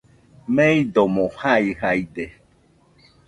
meidomo jaijaide.